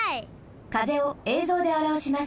風をえいぞうであらわします。